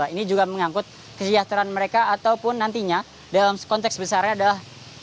ini juga mengangkut kesejahteraan mereka ataupun nantinya dalam konteks besarnya adalah